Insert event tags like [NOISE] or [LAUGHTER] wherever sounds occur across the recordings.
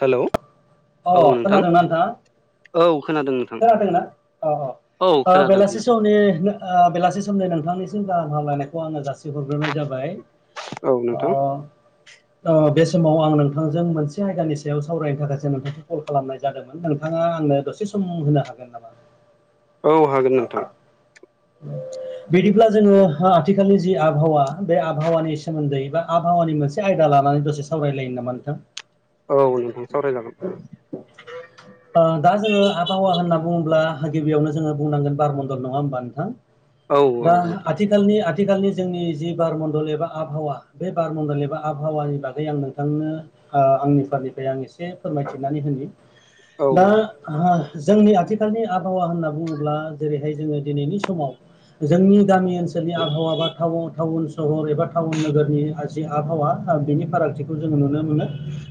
Hello औ अ' नोंथां खोनादोंना नोंथाङा? औ खोनादों नोंथां खोनादों ना? औ खोनादों बेलासि खोनादों। समनि बेलासि ओ बेलास सोमदै नोंथांनिसिम गाहाम लायनायखौ आङो जासि हरग्रोनाय जाबाय। औ ओ नोंथां ओ बे समाव आं नोंथांजों मोनसे आयदानि सायाव सावरायनो थाखाय दे नोंथांखौ कल खालामनाय जादोंमोन। नोंथाङा आंनो दसे सम होनो हागोन नामा? औ हागोन नोंथां। [INAUDIBLE] बिदिब्ला जोङो आथिखालनि जि आबहावा बे आबहावानि सोमोन्दै बा आबहावानि मोनसे आयदा लानानै दसे सावरायलायो नामा नोंथां। औ नोंथां सावरायजागोन। ओ दा जोङो आबहावा होनना बुङोब्ला? गिबियावनो जोङो बुंनांगोन बारमन्दल नङा हबा नोंथां। औ औ दा नोंथां आथिखालनि आथिखालनि जोंनि जि बारमडल एबा आबहावा बे बारमडल एबा आबहावानि बागै आं नोंथांनो ओ आंनिफोरनिफ्राय आं एसे फोरमायथिनानै होनि। औ दा जोंनि आथिखालनि आबहावा होनना बुङोब्ला? जेरैहाय जोङो दिनैनि समाव जोंनि गामि ओनसोलनि आबहावा बा टाउन टाउन सहर एबा टाउन नोगोरनि जि आबहावा बिनि फारागथिखौ जों नुनो मोनो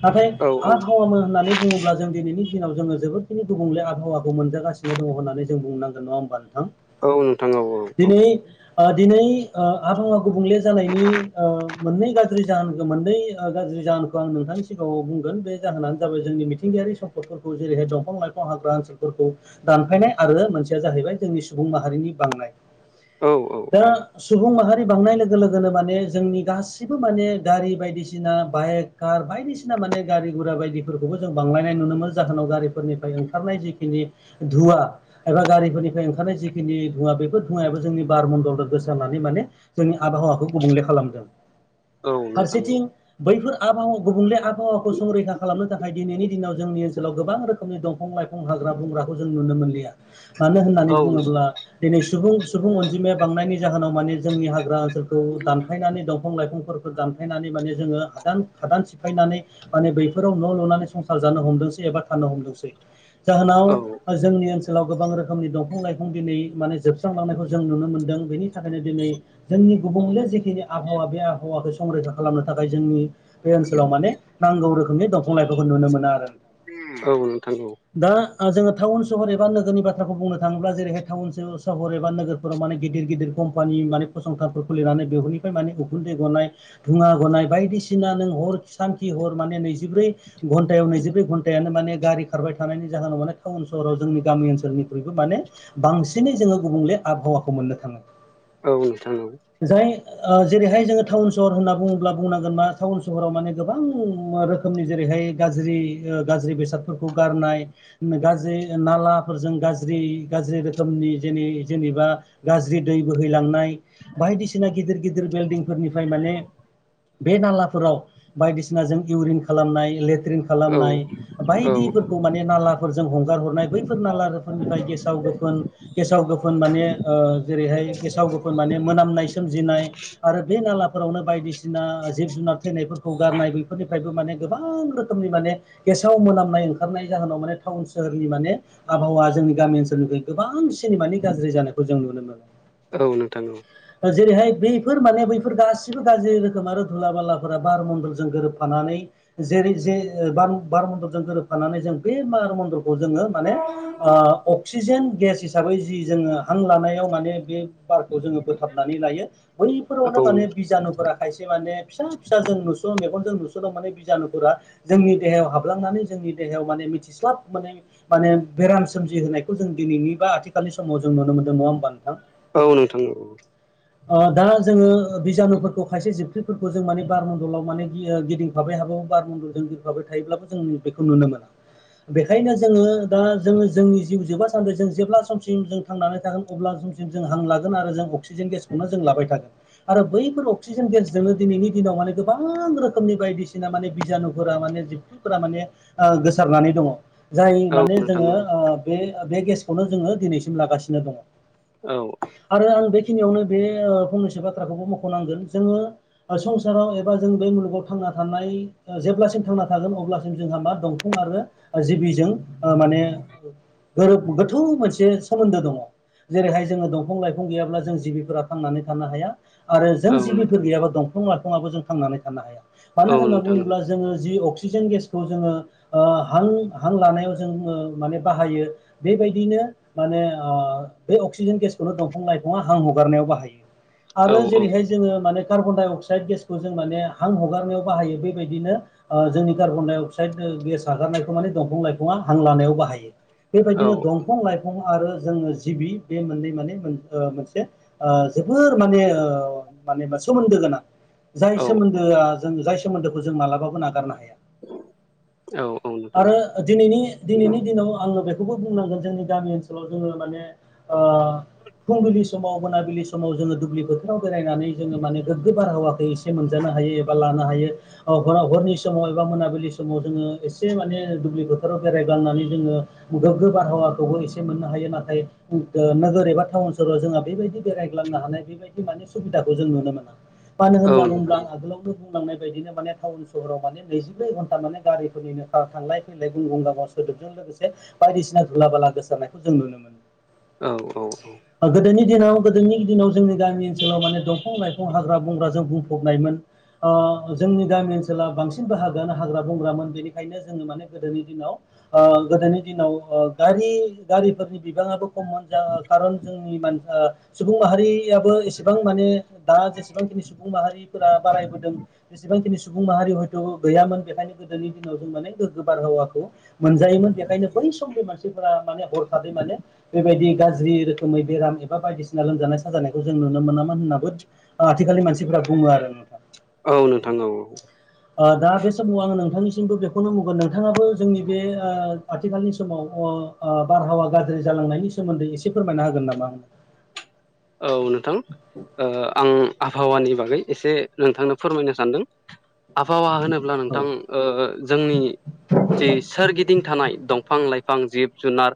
नाथाय औ आबहावा होननानै बुङोब्ला जों दिनैनि दिनाव जोङो जोबोदखिनि गुबुंले आहावाखौ मोनजागासिनो दङ' होननानै जों बुंनांगोन नङा होमबा नोंथां औ नोंथां औ औ औ । दिनै ओ दिनै ओ आबहावा गुबुंले जानायनि ओ मोननै गाज्रि जाहोनखौ मोननै गाज्रि जाहोनखौ आं नोंथांनि सिगाङाव बुंगोन बे जाहोनानो जाबाय जोंनि मिथिंगायारि सम्पदफोरखौ जेरैहाय दंफां लाइफां हाग्रा ओनसोलफोरखौ दानफायनाय आरो मोनसेया जाहैबाय जोंनि सुबुं माहारिनि बांनाय, औ औ औ दा सुबुं माहा रिनि बांनाय लोगो लोगोनो माने जोंनि गासिबो माने गारि बायदिसिना बाइक कार बायदिसिना माने गारि गुरा बायदिफोरखौबो जों बांलायनाय नुनो मोनो जाहोनाव गारिफोरनिफ्राय ओंखारनाय जिखिनि धुवा एबा गारिफोरनिफ्राय ओंखारनाय जिखिनि धुङा बेफोर धुङायाबो जोंनि बारमन्दलाव गोसारनानै माने जोंनि आबहावाखौ गुबुंले खालामदों । औ नोंथां औ फारसेथिं बैफोर आबहावा गुबुंले आबहावाखौ संरैखा खालामनो थाखाय दिनैनि दिनाव जोंनि ओनसोलाव गोबां रोखोमनि दंफां लाइफ हाग्रा बंग्राखौ जों नुनो मोनलिया मानो होननानै औ नोंथां बुङोब्ला दिनै सुबुं सुबुं अनजिमाया बांनायनि जाहोनाव माने जोंनि हाग्रा ओनसोलखौ दानफायनानै दंफां लाइफांफोरखौ दानफायनानै माने जोङो हादान हादान सिफायनानै माने बैफोराव न' लुनानै संसार जानो हमदोंसै एबा थानो हमदोंसै जाहोनाव औ जोंनि ओनसोलाव गोबां रोखोमनि दंफां लाइफां दिनै माने जोब स्रांलांनायखौ जों नुनो मोनदों बेनि थाखायनो दिनै जोंनि गुबुंले जिखिनि आबहावा बे आबहावाखौ संरैखा खालामनो थाखाय जोंनि बे ओनसोलाव माने नांगौ रोखोमनि दंफां लाइफांखौ नुनो मोना आरो । उम औ नोंथां औ । जोङो टाउन सहर एबा नोगोरनि बाथ्राखौ बुंनो थाङोबा जेरैहाय टाउन सहर एबा नोगोरफोराव माने गिदिर गिदिर कम्पानि माने फसंथानफोर खुलिनानै बेफोरनिफ्राय माने उखुन्दैे गनानै धुङा गनाय बायदिसिना नों हर सानखि हर माने नैजिब्रै घन्टायाव नैजिब्रै घन्टायानो गारि खारबाय थानायनि जाहोनाव माने टाउन सहराव जों गामि ओसोलनिख्रुइ माने बांसिन दिनै जोङो गुबुंले आबहावाखौ मोननो थाङो । औ नोंथां नंगौ । ओ जेरैहाय जोङो टाउन सहर होनना बुङोब्ला बुंनांगोन मा टाउन सहराव माने गोबां रोखोमनि जेरै रैहाय गाज्रि ओ गाज्रि बेसादफोरखौ गारनाय गाज्रि नालाफोरजों गाज्रि गाज्रि रो रोखोमनि जेने जेनेबा गाज्रि दै बोहैलांनाय बायदिसिना गिदिर गिदिर बिल्डिंफोर निफ्राय माने बे नालाफोराव बायदिसिना जों इउरिन खालामनाय ले त्रिन खालामनाय बायदिफोरखौ माने नालाफोरजों हगार हरनाय बैफोर नालाफोरनिफ्राय गेसाव गोफोन गेसाव गोफोन माने ओ जेरैहाय गेसाव गोफोन माने मोनामनाय सोमजिनाय आरो बे नाला फोरावनो बायदिसिना जिब जुनार थैनायफोरखौ गारनाय बैफोरनिफ्रायबो माने गोबां रोखोमनि माने गेसाव मोनामनाय ओंखारनाय जाहोनाव माने टाउन सोहोरनि माने आबहावाया जोंनि गामि ओनसोलनिख्रैबो गोबां सिनमानि गाज्रि जानायखौ जों नुनो मोनो । औ नोंथां औ । जेरैहाय बैफोर माने बैफोर गासिबो गाज्रि रोखोम आरो धुला बालाफोरा बार मन्दलजों गोरोबफानानै जेरै जे बार बार मन्दलजों गोरोबफानानै जों बे बार मन्दल खौ जोङो माने ओ अक्सिजेन गेस हिसाबै जि जोङो हां लानायाव माने बे बारखौ जोङो बोथाबनानै लायो बैफोरावनो माने बिजानुफोरा खायसे माने फिसा फिसा जों नुस सन मेगनजों माने बिजानुफोरा जोंनि देहायाव हाबलांनानै जोंनि देहायाव माने मिथिस्लाब मोनै माने बेराम सोमजिहोनायखौ जों दिनैनि बा आथिखालनि समाव जों नुनो मोनदों नङा होमबा? [UNINTELLIGIBLE] ओ दा जोङो बिजानुफोरखौ खायसे जोब फोरखौ जों माने बारमन्दलाव माने बियो गिदिंफाबाय थाबाबो बारमन्दलजों गिदिंफाबाय थायोब्लाबो जों बेखौ नुनो मोनो। बेखायनो जोङो दा जोङो जोंनि जिउ जोबा सानबेसे जों जेब्ला समसिम जों थांनानै थागोन अब्ला समसिम जों हां लागोन आरो जों अक्सिजेन गेसखौनो जों लाबाय थागोन आरो बैफोर अक्सिजेन गेसजोंनो दिनैनि दिनाव माने गोबां रोखोमनि बायदिसिना माने बिजानुफोरा माने जिबखिफोरा माने ओ गोसारनानै दङ। जाय माने जोङो ओ बे बे गेसखौनो जोङो दिनैसिम लागासिनो दङ। आरो आं बे खिनियावनो बे ओ फंनैसो बाथ्राखौबो मख'नांगोन जोङो संसाराव एबा जों बेै मुलुगाव थांना आ थानाय ओ जेब्लासिम थांना थागोन अब्लासिम जोंहा मा दंफां आरो जिबिजों ओ माने गोरोब गोथौ मोनसे सोमोन्दो दङ। जेरैहाय जोङो दंफां लाइफं गैयाब्ला जों जिबिफोरा थांनानै थानो हाया। आरो जों जिबिफोर गैयाबा दंफां लाइफङाबो जों थांनानै थानो हाया। मानो होनना बुङोब्ला जोङो जि अक्स सिजेन गेसखौ जोङो ओ हां हां लानायाव जों ओ माने बाहायो। बे बायदिनो माने आ बे अक्सिजेन गेसखौनो दंफां लाइफाङा हां हगारनायाव बाहायो। आरो जेरैहाय जोङो मानो कार्बन डाइ अक्साइड गेसखौ जों माने हां हगारनायाव बाहायो। बेबायदिनो ओ जोंनि कार्बन डाइ अक्साइड जों गेस हागारनायखौ माने दंफं लाइफङा हां लानायाव बाहायो। बेबायदिनो दंफं लाइफङ आरो जोङो जिबि बे मोननै माने मोन ओ मोनसे ओ जोबोर माने ओ मानेबा सोमोन्दो गोनां। जाय सोमोन्दोआ जों जाय सोमोन्दोखौ जों मालाबाबो नागारनो हाय आरो दिनैनि दिनाव आङो बे खौबो बुंनांगोन जोंनि गामि ओनसोलाव जोङो माने ओ आप फुंबिलि समाव मोनाबिलि समाव जोङो दुब्लि बोथोराव फोरायनानै जोङो माने गोग्गो बारहावाखो एसे मोनजानो हायो एबा लानो हायो। अ अराव अरनि समाव एबा मोनाबिलि समाव जोङो एसे माने दुब्लि फोथाराव बेरायगालनानै जोङो। गुगावगो बारहावाखौबो एसे मोननो हायो। नाथाय नोगोर एबा टाउन सहाव जोंहा बेबायदि बेरायग्लां ना हानाय बेबायदि माने सुबिदाखौ जों नुनो मोना । मानो होनना बुंब्ला आगोलावनो बुंलांनाय बायदिनो माने टाउन सहराव माने नैजिब्रै घन्टा माने गारिफोरनिनो थांलाय फैलाय गुं गुं गागस सोदोबजों लोगोसे बायदिसिना धुला बाला गोसारनायखौ जों नुनो मोनो । औ औ औ । जेनाव दिनाव गोदोनि दिनाव जोंनि गामि ओनसोलाव माने दंफां लाइफां हाग्रा बंग्राजों बुंफबनायमोन आ जोंनि गामि ओनसोला बांसिनबो हागोन हाग्रा बंग्रामोन बेनिखायनो जोङो माने गोदोनि दिनाव आ गोदोनि आव ओ गारि गारिफोरनि बिबाङाबो खममन आ खारन जोंनि मान आ सुबुं माहारि थियाबो एसेबां माने दा जेसेबांखिनि सुबुं माहारिफोरा बारायबोदों जेसेबांखिनि सुबुं माहारि हयथ' गैयामोन बेखायनो गोदोनि दिनाव जों माने गोग्गो बारहावाखौ मोनजायोमोन बेखायनो चम मानसिफ्रा माने हरखाबै माने बेबायदि गाज्रि रोखोमै बेराम एबा बायदिसिना लोमजानाय साजा खानायखौ जों नुनो मोनामोन होनाबो आथिखालनि मानसिफ बुङो आरो नोंथां । नोंथां औ औ आ दा बे सोमुआ आङो नोंथांनिसिमबो बेखौनो बुंगोन नोंथाङाबो जोंनि बे ओ आथिखालनि समाव अ बारहावा गाज्रि जालांनायनि सोमोन्दै एसे फोरमायना होगोन नामा? औ नोंथां ओ आं आहावानि बागै एसे नोंथांनो फोरमायनो सानदों आफावा होनोब्ला औ नोंथां ओ जोंनि जि सोरगिदिं थानाय दंफां लाइ फां जिब जुनार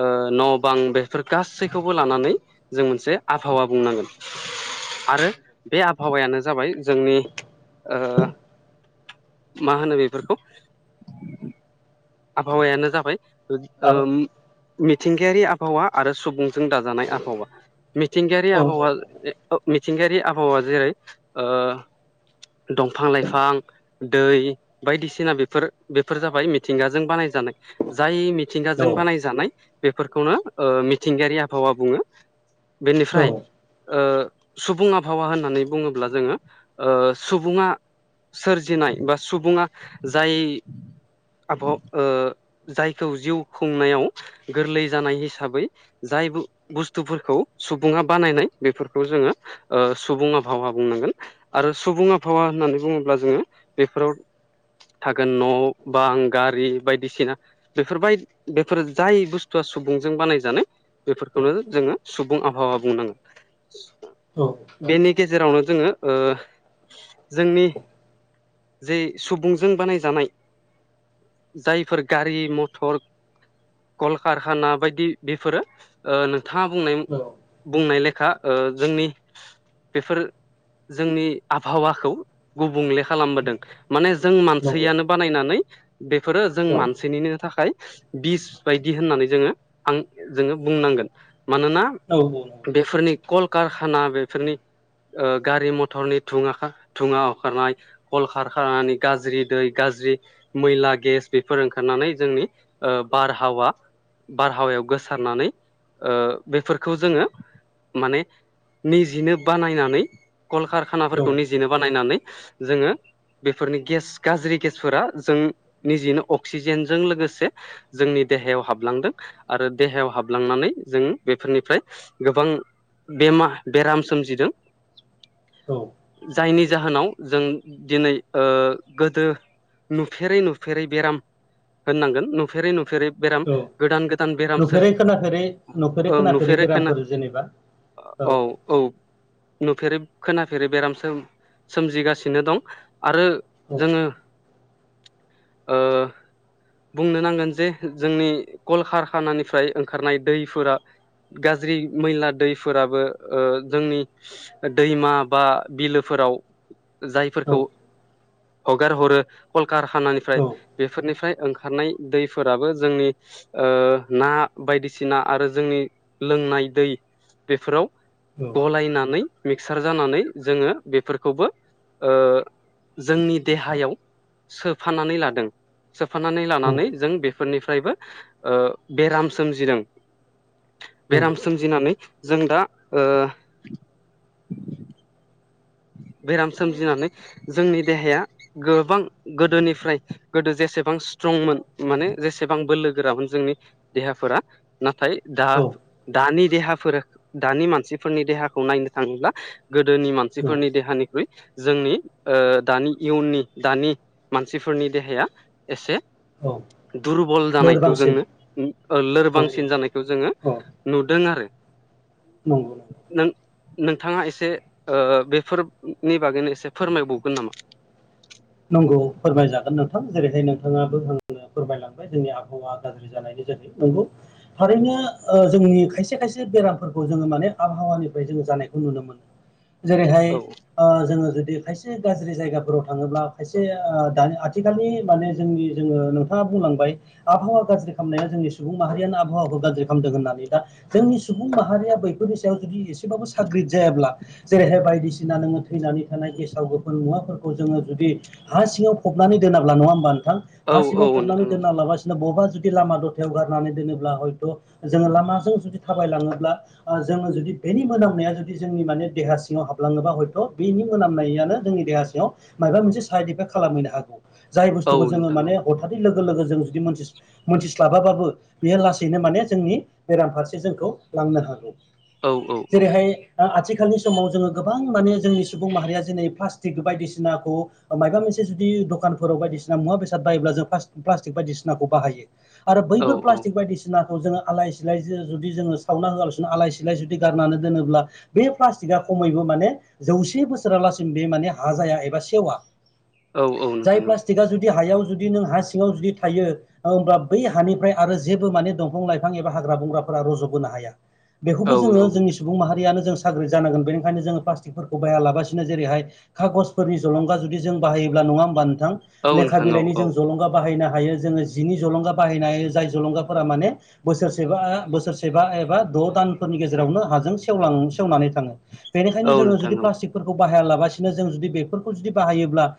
ओ न' बां बेफोर गासैखौबो लानानै जों मोनसे आबहावा बुंनांगोन । आरो बे आबहावायानो जाबाय जोंनि ओ मा होनो बेफोरखौ आबहावायानो जाबाय औ ओम मिथिंगायारि आबहावा आरो सुबुं जों दाजानाय आबहावा मिथिंगायारि औ आबहावा ए अ मिथिंगायारि आबहावा जेरै ओ दंफां लाइफां दै बायदिसिना बेफोर बेफोर जाबाय मिथिंगाजों बानायजानाय जायनि औ थिंगाजों बानायजानाय बेफोरखौनो मिथिंगायारि आबहावा बुङो । बेनिफ्राय औ ओ सुबुं आबहावा होननानै बुङोब्ला जोङो ओ सुबुङा सोरजिनाय बा सुबुङा जाय आब' ओ जायखौ जिउ खुंनायाव गोरलै जानाय हिसाबै जाय बुस्थुफोरखौ सुबुङा बानायनाय बेफोरखौ जोङो ओ सुबुं आबहावा बुंनांगोन आरो सुबुं आबहावा होननानै बुङोब्ला जोङो बेफोराव थागोन न' बां गारि बायदिसिना बेफोरबाय बेफोर जाय बुस्थुआ सुबुंजों बानायजानाय बेफोरखौनो जोङो सुबुं आबहावा बुंनांगोन औ बेनि गेजेरावनो जोङो ओ जोंनि जे सुबुंजों बानायजानाय जायफोर गारि मथर कलकारखाना बायदि बेफोरो ओ नोंथाङा बुंनाय बुंनाय लेखा ओ जोंनि बेफोर जोंनि आबहावाखौ गुबुंले उम, खालामबोदों माने जों नंगौ मानसैयानो नानै बेफोरो जों औ मानसैनिनो थाखाय बिस बायदि होननानै जोङो आं जोङो बुंनांगोन मानोना औ बेफोरनि कल कारखाना बेफोरनि ओ गारि मथरनि थुङा अंखारनाय कल खारखनि गाज्रि दै गाज्रि मैला गेस बेफोर ओंखारनानै जोंनि ओ बारहावा बारहावायाव गोसारनानै ओ बेफोरखौ जोङो माने निजिनो बानायनानै औ कलकारखानाफोरखौ निजेनो बानायनानै जोङो बेफोरनि गेस गाज्रि गेस जों निजेनो अक्सिजेनजों लोगोसे जोंनि देहायाव हाबलांदों आरो देहायाव हाबलांनानै जों बेफोरनिफ्राय गोबां बेमा बेराम सोमजिदों औ जायनि जाहोनाव जों दिनै ओ गोदो नुफेरै नुफेरै बेराम होननांगोन नुफेरै नुफेरै बेराम औ गोदान गोदान बेराम नुफेरै सोरजि खोनाफेरै नुफेरै औ खोनाफेरै नुफेरै खोना बेरामफोर जेनेबा औ नुफेरै खोनाफेरै बेराम सोम सोमजिगासिनो दं आरो औ जोङो ओ बुंनो नांगोन जे जोंनि कल कारखानानिफ्राय ओंखारनाय दैफोरा गाज्रि मैला दैफोराबो ओ जोंनि दैमा बा बिलोफोर राव औ जायफोरखौ हगार हरो औ कलकारनानिफ्राय बेफोरनिफ्राय ओंखारनाय दैफोराबो जोंनि ओ ना बायदिसिना आरो जोंनि लों नाय दै बेफोराव औ गलायनानै मिक्सार जानानै जोङो बेफोरखौबो ओ जोंनि देहायाव सोफानानै लादों सोफानानै लानानै नंगौ जों बे फोरनिफ्रायबो ओ बेराम सोमजिदों नंगौ बेराम सोमजिनानै जों दा ओ [UNINTELLIGIBLE] बेराम सोमजिनानै जोंनि देहाया गोबां गोदोनिफ्राय गोदो जेसेबां स्ट्रंमोन माने जेसेबां बोलो गोरामोन जोंनि देहाफोरा नाथाय दा औ दानि देहाफोर दानि मानसिफोरनि देहाखौ नायनो थाङोब्ला गोदोनि मानसिफोरनि औ देहानिख्रुइ जोंनि ओ दानि इयुननि दानि मानसिफोरनि देहाया एसे औ दुरबल जानायखौ लोरबांसिन जोङो ओ लोरबां औ औ बांसिन जानायखौ जोङो औ नुदों आरो नंगौ नों नोंथाङा एसे बे ओ फोरनि बागैनो एसे फोरमायबावगोन नामा? नंगौ फोरमायजागोन नोंथां जेरैहाय नोंथाङाबो फोरमायलांबाय जोंनि आबहावा गाज्रि जानायनि जाहोनखौ। नंगौ थारैनो जोंनि खायसे-खायसे बेरामफोरखौ जोङो माने आबहावानिफ्राय जोङो जानायखौ नुनो मोनो। जेरैहाय औ ओ जोङो जुदि खायसे गाज्रि जायगाफोराव थाङोब्ला एसे ओ दानि आथिखालनि माने जोंनि जोङो नोंथाङा बुंलांबाय आबहावा गाज्रि खालामनाया जों नि सुबुं माहारियानो आबहावाखौ गाज्रि खालामदों होननानै। दा जोंनि सुबुं माहारिया बैफोरनि सायाव जुदि एसेबाबो साग्रिद जायाब्ला जेरैहाय बायदिसिना नोङो थैनानै थानाय गेसाव-गोफोन मुवाफोरखौ जोङो जुदि हा सिङाव फबनानै दोनाब्ला। नङा होमबा नोंथां? औ हा सिङाव औ फबनानै नोंथां औ दोनांलाबसिनो बबेबा जुदि लामा दथायाव गारनानै दोनोब्ला हयथ' जोङो लामाजों जुदि थाबायलाङोब्ला जों जुदि बेनि मोनामनाया जुदि जोंनि माने देहा सिङाव हाबलाङोबा हयथ' बेनि मोनामनायानो जोंनि देहा सिङाव माबा मोनसे साइद इफेक्ट खालामहैनो हागौ। जाय बुस्थुखौ औ जोङो नोंथां औ माने अथा लोगो-लोगो जों जुदि मोनथिस्लाबा बाबो बेयो लासैनो माने जोंनि बेराम फारसे जोंखौ लांनो हागौ। औ-औ-औ। दा आथिखालनि समाव जोङो गोबां माने जोंनि सुबुं माहारिया जेरै प्लास्टिक बायदिसिनाखौ माबा मोनसे जुदि दखानफोराव बायदिसिना मुवा-बेसाद बायोब्ला जों प्लास्टिक बायदिसिनाखौ बाहायो। आरो औ बैफोर औ प्लास्टिक बायदिसिनाखौ जोङो आलाय-सिलाय जों जुदि जोङो सावना होआलासिनो आलाय-सिलाय जुदि गारनानै दोनोब्ला। बे प्लास्टिकआ खमैबो माने जौसे बोसोरालासिम बे माने हाजाया एबा सेवा। औ औ जाय नोंथां औ प्लास्टिका जुदि हायाव जुदि नों हा सिङाव जुदि थायो। होमब्ला बै हानिफ्राय आरो जेबो माने दंफां लाइफां एबा हाग्रा बंग्रा फोरा रज'बोनो हाया। औ बेखौबो जोङो औ जोंनि सुबुं माहारियानो जों [UNINTELLIGIBLE] बेनिखाइनो जों प्लासटिकफोरखौ बाया लाबासिनो जेरैहाय कागसफोरनि ज'लंगा जुदि जों बाहायोब्ला नङा होमबा नोंथां? लेखा नोंथां बिलाइनि औ जों औ जलंगा बाहायनो हायो जोङो जिनि जलंगा बाहायनो हायो जाय जलंगाफोरा माने बोसोरसेबा बोसोरसेबा एबा द' दान फोरनि गेजेरावनो हाजों सेवलां सेवनानै थाङो। बेनिखायनो औ जों नोंथां जुदि औ प्लासटिकफोरखौ बाहायालाबासिनो जों जुदि बेफोरखौ जुदि बाहायोब्ला